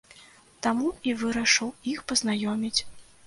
Таму і вырашыў іх пазнаёміць.